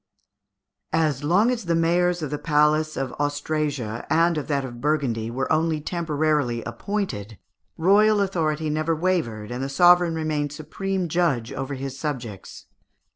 As long as the mayors of the palace of Austrasia, and of that of Burgundy, were only temporarily appointed, royal authority never wavered, and the sovereign remained supreme judge over his subjects.